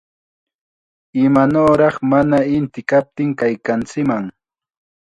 ¡Imanawraq mana inti kaptin kaykanchikman!